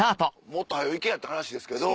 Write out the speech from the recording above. もっと早行けやって話ですけど。